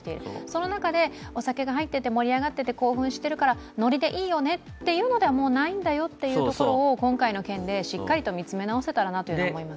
その中でお酒が入ってて盛り上がってて興奮してるからノリでいいよねってというのでは、もうないんだよというのを、今回の件でしっかりと見つめ直せたらと思います。